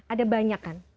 ada banyak kan